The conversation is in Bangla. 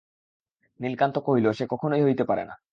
নীলকান্ত কহিল–সে কখনো হইতেই পারে না।